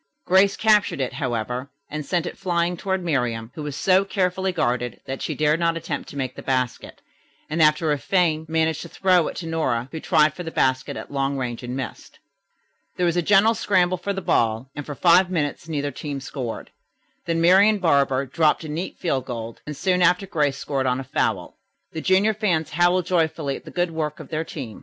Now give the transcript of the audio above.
Grace captured it, however, and sent it flying toward Miriam, who was so carefully guarded that she dared not attempt to make the basket, and after a feint managed to throw it to Nora, who tried for the basket at long range and missed. There was a general scramble for the ball, and for five minutes neither team scored; then Marian Barber dropped a neat field goal, and soon after Grace scored on a foul. The junior fans howled joyfully at the good work of their team.